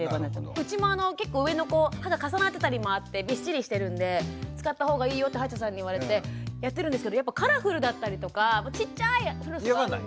うちも結構上の子歯が重なってたりもあってビッシリしてるんで「使ったほうがいいよ」って歯医者さんに言われてやってるんですけどカラフルだったりとかちっちゃいフロスもあるんで。